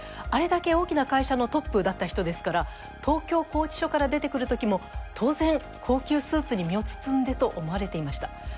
あれだけ大きな会社のトップだった人ですから東京拘置所から出てくる時も当然高級スーツに身を包んでと思われていました